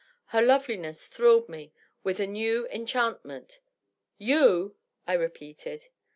Her loveliness thrilled me with a new enchantment. "Your I repeated.